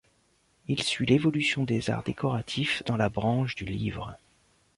Il suit l'évolution des arts décoratifs, dans la branche du livre.